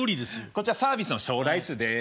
こちらサービスの小ライスです。